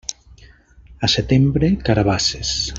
A setembre, carabasses.